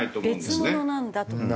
別ものなんだと。